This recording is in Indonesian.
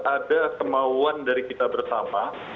ada kemauan dari kita bersama